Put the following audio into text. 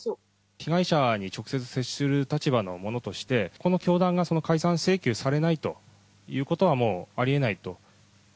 被害者に直接接する立場の者として、この教団が解散請求されないということはもうありえないと。